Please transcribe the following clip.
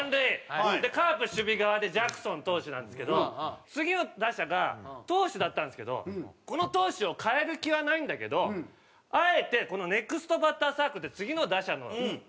カープ守備側でジャクソン投手なんですけど次の打者が投手だったんですけどこの投手を代える気はないんだけどあえてネクストバッターズサークルって次の打者の円があるんですよ。